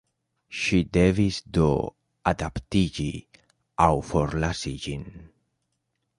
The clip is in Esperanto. Ŝi devis, do, adaptiĝi aŭ forlasi ĝin.